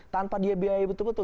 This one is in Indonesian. tanpa di abi betul betul